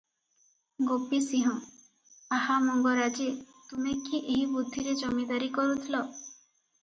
ଗୋପୀ ସିଂହ - "ଆହା ମଙ୍ଗରାଜେ, ତୁମେ କି ଏହି ବୁଦ୍ଧିରେ ଜମିଦାରୀ କରୁଥିଲ?